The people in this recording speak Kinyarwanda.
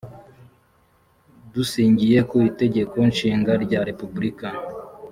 dusingiye ku itegeko nshinga rya repubulika